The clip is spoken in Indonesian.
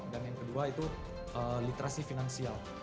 dan yang kedua itu literasi finansial